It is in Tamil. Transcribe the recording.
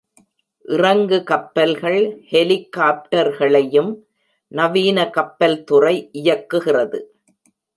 இறங்குகப்பல்கள் ஹெலிகாப்டர்களையும் நவீன கப்பல்துறை இயக்குகிறது.